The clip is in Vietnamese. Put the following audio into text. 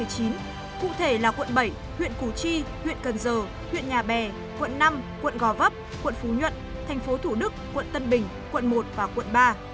cụ thể là quận bảy huyện củ chi huyện cần giờ huyện nhà bè quận năm quận gò vấp quận phú nhuận thành phố thủ đức quận tân bình quận một và quận ba